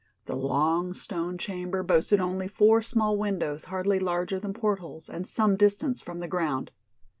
The long stone chamber boasted only four small windows hardly larger than portholes and some distance from the ground.